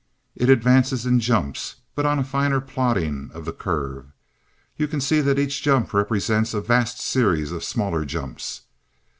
It advances in jumps but on a finer plotting of the curve, you can see that each jump represents a vast series of smaller jumps.